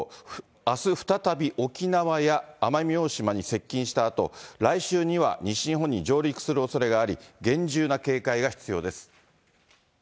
あす再び、沖縄や奄美大島に接近したあと、来週には西日本に上陸するおそれがあり、厳重な警戒が必要です。